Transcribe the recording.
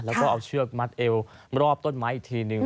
แล้วก็เอาเชือกมัดเอวรอบต้นไม้อีกทีหนึ่ง